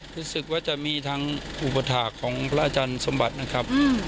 รู้สึกว่าจะมีทั้งอุปถาคของพระอาจารย์สมบัตินะครับ